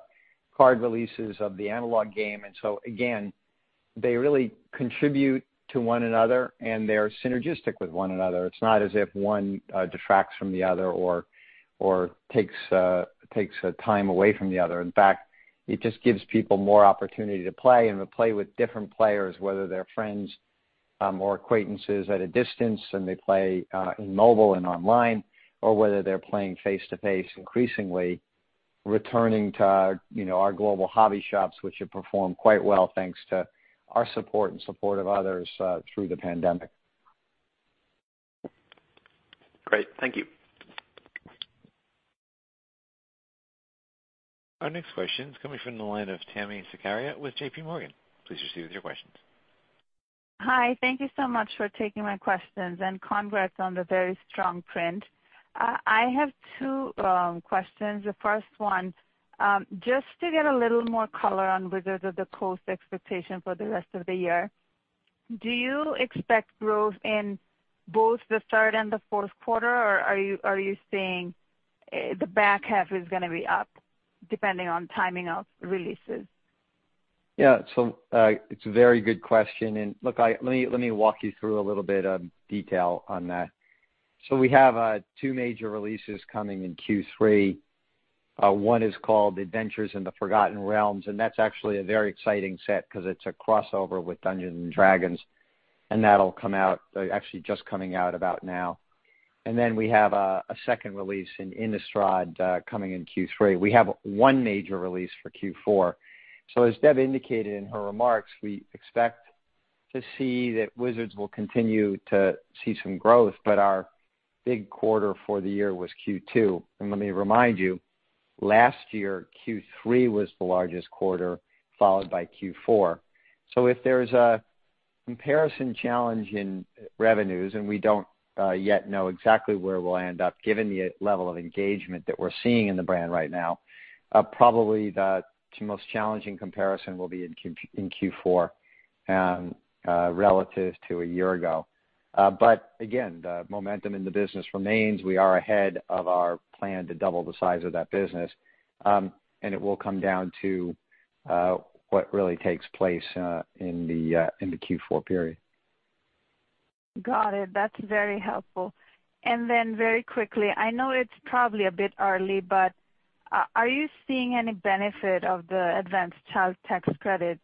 card releases of the analog game. Again, they really contribute to one another, and they’re synergistic with one another. It's not as if one detracts from the other or takes time away from the other. In fact, it just gives people more opportunity to play and to play with different players, whether they're friends or acquaintances at a distance and they play in mobile and online, or whether they're playing face-to-face, increasingly returning to our global hobby shops, which have performed quite well, thanks to our support and support of others through the pandemic. Great. Thank you. Our next question is coming from the line of Tami Zakaria with JPMorgan. Please proceed with your questions. Hi. Thank you so much for taking my questions, and congrats on the very strong print. I have two questions. The first one, just to get a little more color on Wizards of the Coast expectation for the rest of the year, do you expect growth in both the third and the fourth quarter, or are you saying the back half is going to be up depending on timing of releases? Yeah. It's a very good question. Look, let me walk you through a little bit of detail on that. We have two major releases coming in Q3. One is called Adventures in the Forgotten Realms, and that's actually a very exciting set because it's a crossover with Dungeons & Dragons, and that'll come out, actually just coming out about now. Then we have a second release in Innistrad coming in Q3. We have one major release for Q4. As Deb indicated in her remarks, we expect to see that Wizards will continue to see some growth, but our big quarter for the year was Q2. Let me remind you, last year, Q3 was the largest quarter, followed by Q4. If there's a comparison challenge in revenues, and we don't yet know exactly where we'll end up given the level of engagement that we're seeing in the brand right now, probably the most challenging comparison will be in Q4 relative to a year ago. Again, the momentum in the business remains. We are ahead of our plan to double the size of that business, and it will come down to what really takes place in the Q4 period. Got it. That's very helpful. Very quickly, I know it's probably a bit early, but are you seeing any benefit of the advanced child tax credit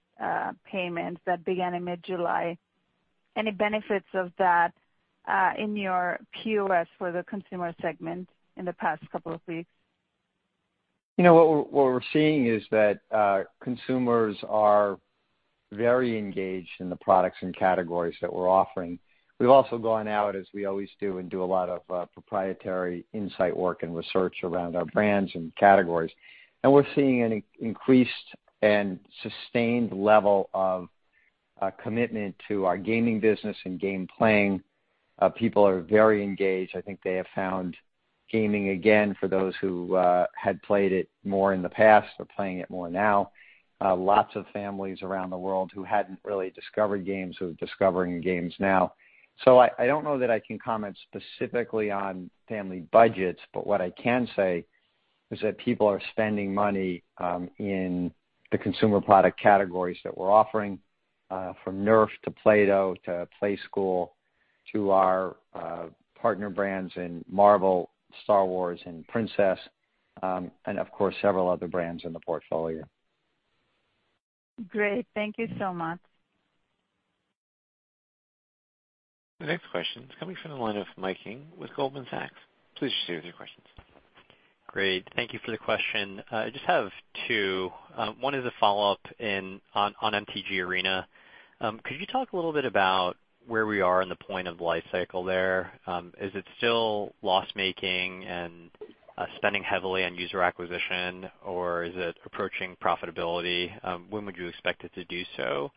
payments that began in mid-July? Any benefits of that in your POS for the consumer segment in the past couple of weeks? What we're seeing is that consumers are very engaged in the products and categories that we're offering. We've also gone out, as we always do, and do a lot of proprietary insight work and research around our brands and categories. We're seeing an increased and sustained level of commitment to our gaming business and game playing. People are very engaged. I think they have found gaming again, for those who had played it more in the past, are playing it more now. Lots of families around the world who hadn't really discovered games are discovering games now. I don't know that I can comment specifically on family budgets, but what I can say is that people are spending money in the consumer product categories that we're offering, from Nerf to Play-Doh, to Playskool, to our partner brands in Marvel, Star Wars, and Princess, and of course, several other brands in the portfolio. Great. Thank you so much. The next question is coming from the line of Mike Ng with Goldman Sachs. Please share your questions. Great. Thank you for the question. I just have two. One is a follow-up on MTG Arena. Could you talk a little bit about where we are in the point of life cycle there? Is it still loss-making and spending heavily on user acquisition, or is it approaching profitability? When would you expect it to do so?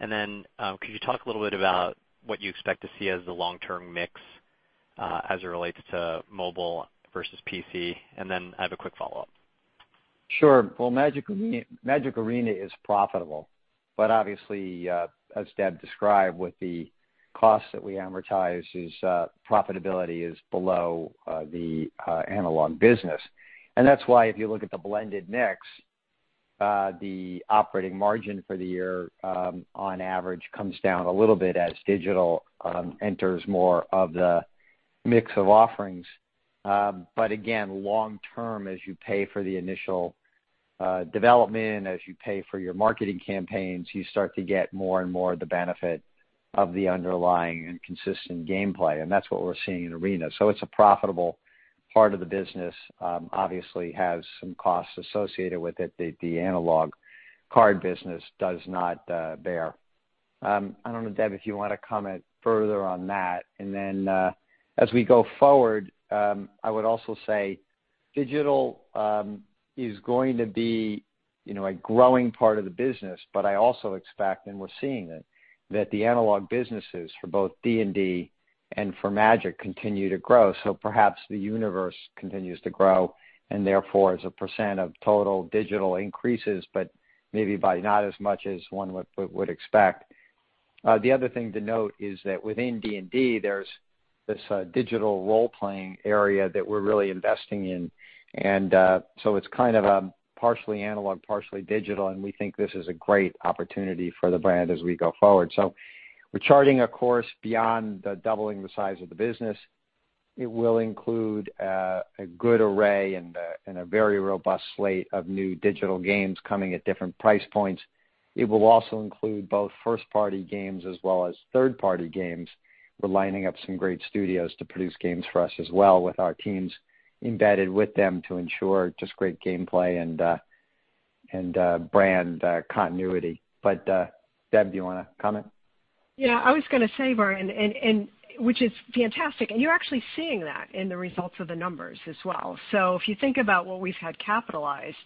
Could you talk a little bit about what you expect to see as the long-term mix, as it relates to mobile versus PC? I have a quick follow-up. Magic Arena is profitable. Obviously, as Deb described, with the costs that we amortize, profitability is below the analog business. That's why if you look at the blended mix, the operating margin for the year, on average, comes down a little bit as digital enters more of the mix of offerings. Again, long term, as you pay for the initial development, as you pay for your marketing campaigns, you start to get more and more of the benefit of the underlying and consistent gameplay. That's what we're seeing in Arena. It's a profitable part of the business. Obviously has some costs associated with it that the analog card business does not bear. I don't know, Deb, if you want to comment further on that. As we go forward, I would also say digital is going to be a growing part of the business, but I also expect, and we're seeing it, that the analog businesses for both D&D and for Magic continue to grow. Perhaps the universe continues to grow, and therefore, as a percent of total digital increases, but maybe by not as much as one would expect. The other thing to note is that within D&D, there's this digital role-playing area that we're really investing in. It's kind of a partially analog, partially digital, and we think this is a great opportunity for the brand as we go forward. We're charting a course beyond the doubling the size of the business. It will include a good array and a very robust slate of new digital games coming at different price points. It will also include both first-party games as well as third-party games. We're lining up some great studios to produce games for us as well with our teams embedded with them to ensure just great gameplay and brand continuity. Deb, do you want to comment? I was going to say, Brian, which is fantastic, and you're actually seeing that in the results of the numbers as well. If you think about what we've had capitalized,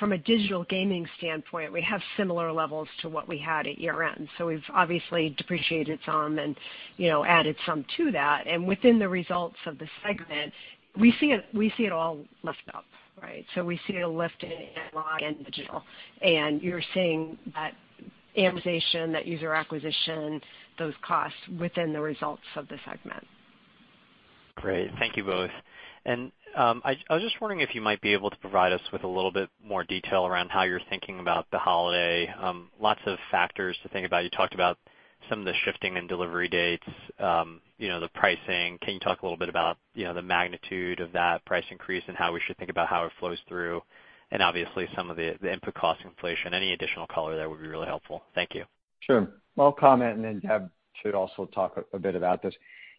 from a digital gaming standpoint, we have similar levels to what we had at year-end. We've obviously depreciated some and added some to that. Within the results of the segment, we see it all lift up. We see it lift in analog and digital. You're seeing that amortization, that user acquisition, those costs within the results of the segment. Great. Thank you both. I was just wondering if you might be able to provide us with a little bit more detail around how you're thinking about the holiday. Lots of factors to think about. You talked about some of the shifting in delivery dates, the pricing. Can you talk a little bit about the magnitude of that price increase and how we should think about how it flows through, and obviously some of the input cost inflation? Any additional color there would be really helpful. Thank you. Sure. Well, I'll comment, and then Deb should also talk a bit about this.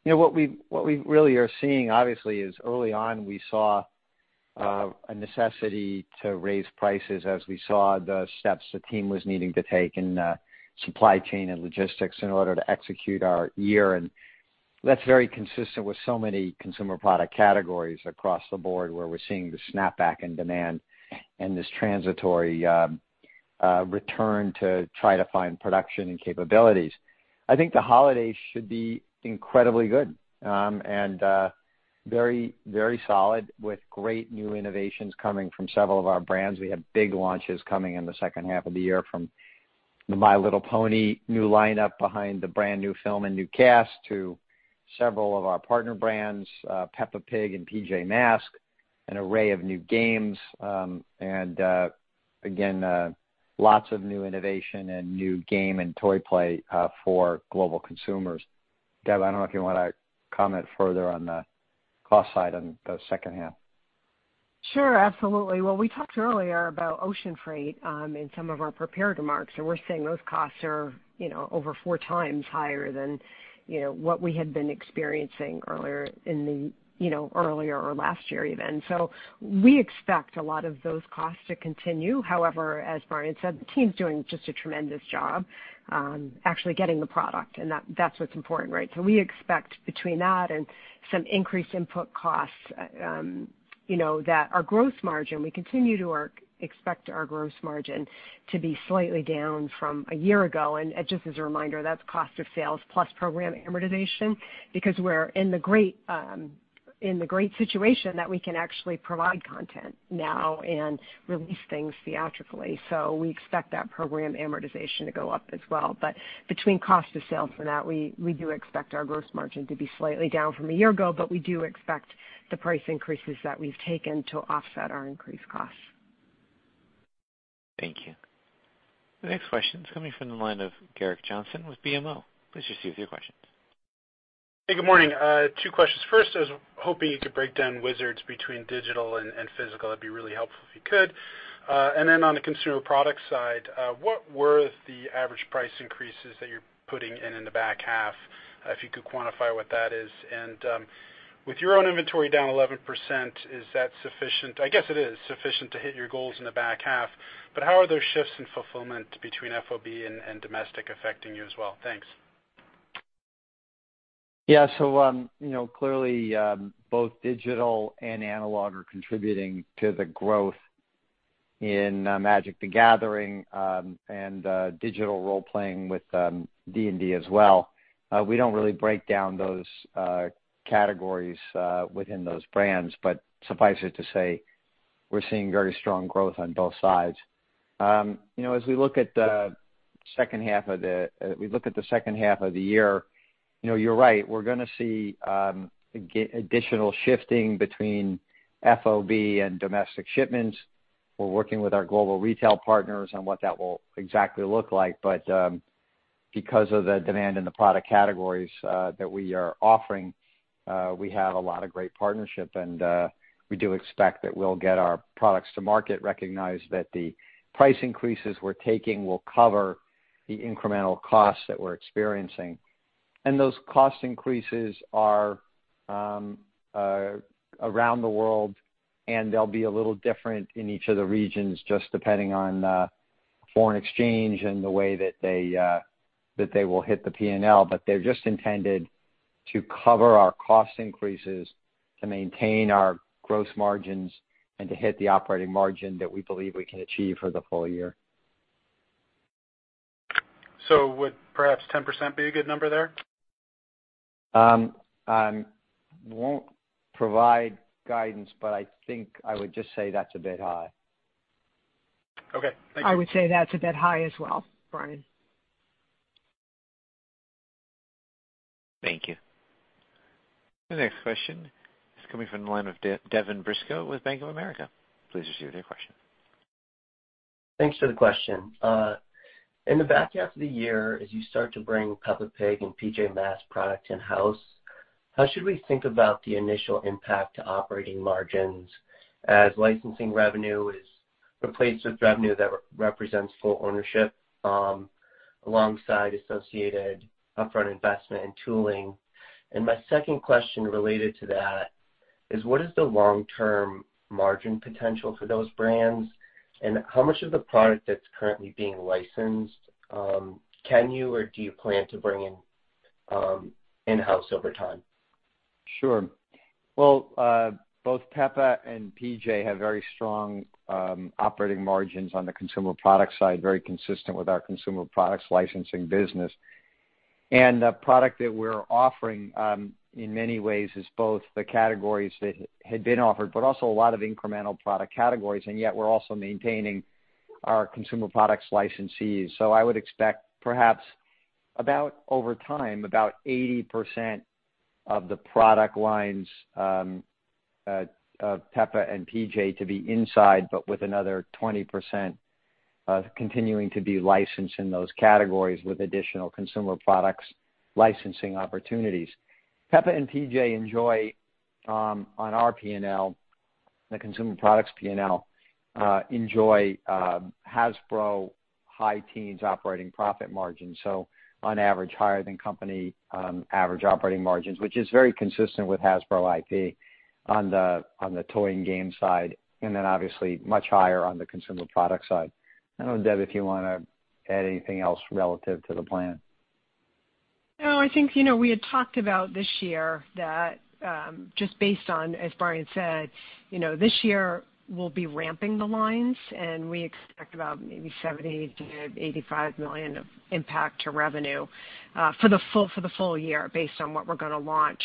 What we really are seeing, obviously, is early on, we saw a necessity to raise prices as we saw the steps the team was needing to take in supply chain and logistics in order to execute our year. That's very consistent with so many consumer product categories across the board, where we're seeing the snapback in demand and this transitory return to try to find production and capabilities. I think the holiday should be incredibly good and very solid with great new innovations coming from several of our brands. We have big launches coming in the second half of the year from the My Little Pony new lineup behind the brand new film and new cast to several of our partner brands, Peppa Pig and PJ Masks, an array of new games. Again, lots of new innovation and new game and toy play for global consumers. Deb, I don't know if you want to comment further on the cost side on the second half. Sure, absolutely. Well, we talked earlier about ocean freight in some of our prepared remarks, and we're saying those costs are over four times higher than what we had been experiencing earlier or last year even. We expect a lot of those costs to continue. However, as Brian said, the team's doing just a tremendous job actually getting the product, and that's what's important, right? We expect between that and some increased input costs that our gross margin, we continue to expect our gross margin to be slightly down from a year ago. Just as a reminder, that's cost of sales plus program amortization, because we're in the great situation that we can actually provide content now and release things theatrically. We expect that program amortization to go up as well. Between cost of sales and that, we do expect our gross margin to be slightly down from a year ago, but we do expect the price increases that we've taken to offset our increased costs. Thank you. The next question is coming from the line of Gerrick Johnson with BMO. Please proceed with your questions. Hey, good morning. Two questions. First, I was hoping you could break down Wizards between digital and physical. That'd be really helpful if you could. On the consumer product side, what were the average price increases that you're putting in in the back half, if you could quantify what that is. With your own inventory down 11%, I guess it is sufficient to hit your goals in the back half, but how are those shifts in fulfillment between FOB and domestic affecting you as well? Thanks. Clearly both digital and analog are contributing to the growth in Magic: The Gathering and digital role playing with D&D as well. We don't really break down those categories within those brands, but suffice it to say, we're seeing very strong growth on both sides. As we look at the second half of the year, you're right. We're going to see additional shifting between FOB and domestic shipments. We're working with our global retail partners on what that will exactly look like. Because of the demand in the product categories that we are offering, we have a lot of great partnership and we do expect that we'll get our products to market, recognize that the price increases we're taking will cover the incremental costs that we're experiencing. Those cost increases are around the world, and they'll be a little different in each of the regions just depending on foreign exchange and the way that they will hit the P&L. They're just intended to cover our cost increases to maintain our gross margins and to hit the operating margin that we believe we can achieve for the full year. Would perhaps 10% be a good number there? I won't provide guidance, but I think I would just say that's a bit high. Okay. Thank you. I would say that's a bit high as well, Brian. Thank you. The next question is coming from the line of Devin Brisco with Bank of America. Please proceed with your question. Thanks for the question. In the back half of the year, as you start to bring Peppa Pig and PJ Masks product in-house, how should we think about the initial impact to operating margins as licensing revenue is replaced with revenue that represents full ownership alongside associated upfront investment and tooling? My second question related to that is what is the long-term margin potential for those brands, and how much of the product that's currently being licensed can you or do you plan to bring in in-house over time? Sure. Well, both Peppa and PJ have very strong operating margins on the consumer product side, very consistent with our consumer products licensing business. The product that we're offering, in many ways, is both the categories that had been offered, also a lot of incremental product categories, yet we're also maintaining our consumer products licensees. I would expect perhaps over time, about 80% of the product lines of Peppa and PJ to be inside, but with another 20% continuing to be licensed in those categories with additional consumer products licensing opportunities. Peppa and PJ enjoy on our P&L, the consumer products P&L, enjoy Hasbro high teens operating profit margin, so on average, higher than company average operating margins, which is very consistent with Hasbro IP on the toy and game side, and then obviously much higher on the consumer product side. I don't know, Deb, if you want to add anything else relative to the plan. No, I think we had talked about this year that just based on, as Brian said, this year we'll be ramping the lines and we expect about maybe $70 million-$85 million of impact to revenue for the full year based on what we're going to launch.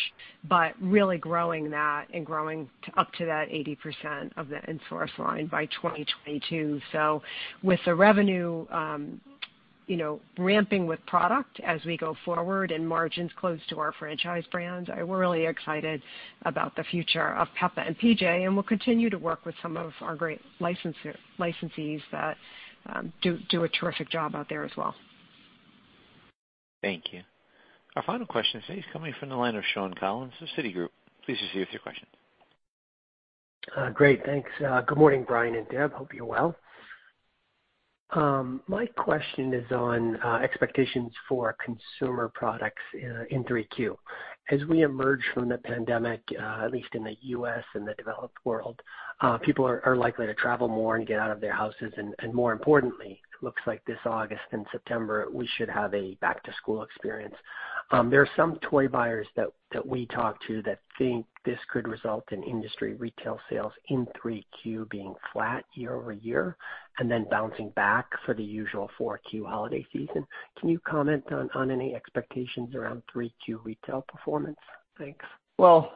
Really growing that and growing up to that 80% of the in-source line by 2022. With the revenue ramping with product as we go forward and margins close to our franchise brands, we're really excited about the future of Peppa and PJ, and we'll continue to work with some of our great licensees that do a terrific job out there as well. Thank you. Our final question today is coming from the line of Shawn Collins of Citigroup. Please proceed with your question. Great, thanks. Good morning, Brian and Deb. Hope you're well. My question is on expectations for consumer products in Q3. We emerge from the pandemic, at least in the U.S. and the developed world, people are likely to travel more and get out of their houses, and more importantly, looks like this August and September, we should have a back-to-school experience. There are some toy buyers that we talk to that think this could result in industry retail sales in Q3 being flat year-over-year and then bouncing back for the usual Q4 holiday season. Can you comment on any expectations around Q3 retail performance? Thanks. Look,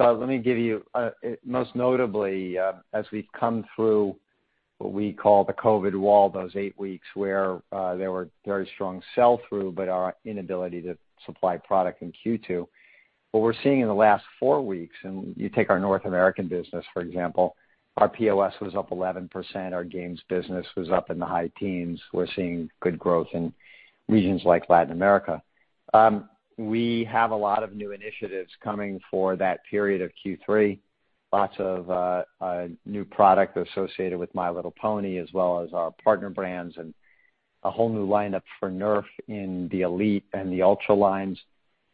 let me give you most notably as we've come through what we call the COVID wall, those eight weeks where there were very strong sell-through, but our inability to supply product in Q2. What we're seeing in the last four weeks, and you take our North American business, for example, our POS was up 11%, our games business was up in the high teens. We're seeing good growth in regions like Latin America. We have a lot of new initiatives coming for that period of Q3. Lots of new product associated with My Little Pony, as well as our partner brands and a whole new lineup for Nerf in the Elite and the Ultra lines.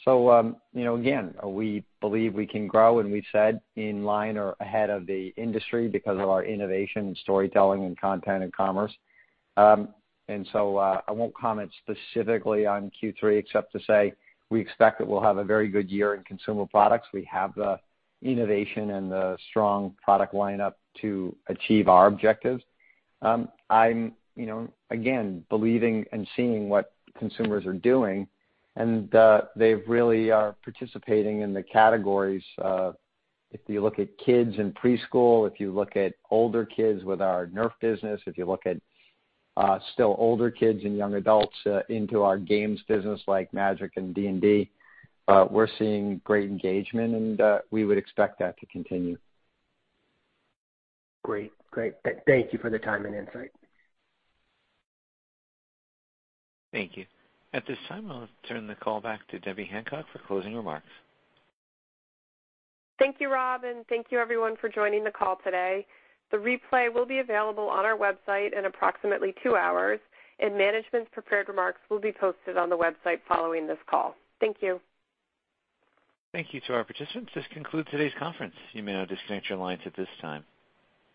Again, we believe we can grow, and we've said in line or ahead of the industry because of our innovation in storytelling and content and commerce. I won't comment specifically on Q3 except to say we expect that we'll have a very good year in consumer products. We have the innovation and the strong product lineup to achieve our objectives. I'm, again, believing and seeing what consumers are doing, and they really are participating in the categories. If you look at kids in preschool, if you look at older kids with our Nerf business, if you look at still older kids and young adults into our games business like Magic and D&D, we're seeing great engagement, and we would expect that to continue. Great. Thank you for the time and insight. Thank you. At this time, I'll turn the call back to Debbie Hancock for closing remarks. Thank you, Rob. Thank you everyone for joining the call today. The replay will be available on our website in approximately two hours, management's prepared remarks will be posted on the website following this call. Thank you. Thank you to our participants. This concludes today's conference. You may now disconnect your lines at this time.